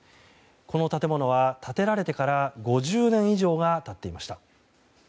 この建物は、建てられてから５０年以上が経っていました。